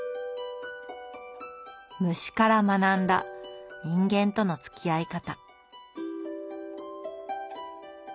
虫から学んだ人間とのつきあい方。